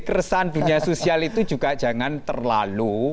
keresahan dunia sosial itu juga jangan terlalu